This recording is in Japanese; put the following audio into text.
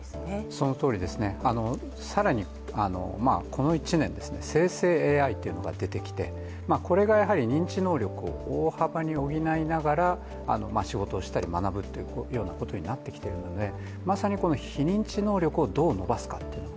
そのとおりですね、更に、この１年生成ＡＩというのが出てきてこれがやはり認知能力を大幅に補いながら、仕事をしたり学ぶというようなことになってきているので、まさに非認知能力をどう伸ばすかが